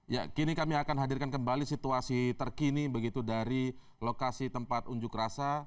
ya kini kami akan hadirkan kembali situasi terkini begitu dari lokasi tempat unjuk rasa